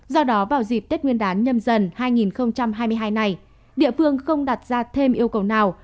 do đó vào dịp tết nguyên đán nhâm dần hai nghìn hai mươi hai này địa phương không đặt ra thêm yêu cầu nào